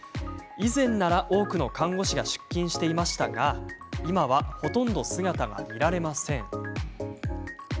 以前なら多くの看護師が出勤していましたが今は、ほとんど姿が見られません。